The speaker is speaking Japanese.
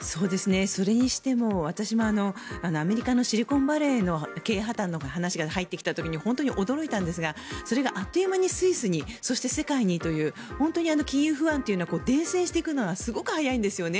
それにしても私もアメリカのシリコンバレーの経営破たんの話が入ってきた時に本当に驚いたんですがそれがあっという間にスイスにそして世界にという本当に金融不安というのは伝染していくのがすごく速いんですね。